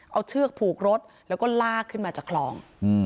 เอาเชือกผูกรถแล้วก็ลากขึ้นมาจากคลอง